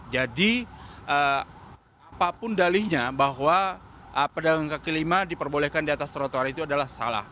jadi apapun dalihnya bahwa pedagang kaki lima diperbolehkan di atas trotoar itu adalah salah